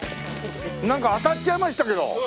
なんか当たっちゃいましたけど。